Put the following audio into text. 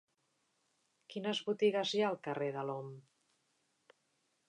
Quines botigues hi ha al carrer de l'Om?